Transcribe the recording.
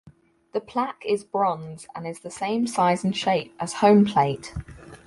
The plaque is bronze and is the same size and shape as home plate.